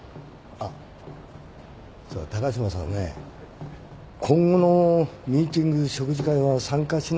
あっ高島さんね今後のミーティング食事会は参加しなくても結構ですから。